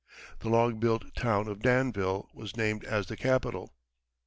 The log built town of Danville was named as the capital.